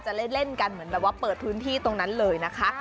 เล่นกันเหมือนแบบว่าเปิดพื้นที่ตรงนั้นเลยนะคะ